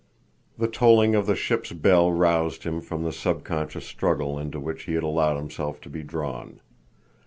The tolling of the ship's bell roused him from the subconscious struggle into which he had allowed himself to be drawn.